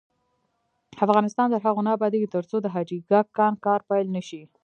افغانستان تر هغو نه ابادیږي، ترڅو د حاجي ګک کان کار پیل نشي.